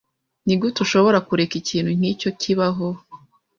Nigute ushobora kureka ikintu nkicyo kibaho?